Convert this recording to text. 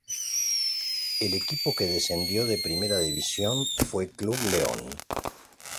El equipo que descendió de Primera División fue Club León.